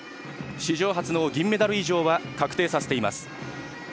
史上初の銀メダル以上は確定させています。